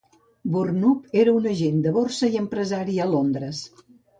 Burnup era un agent de borsa i empresari a Londres.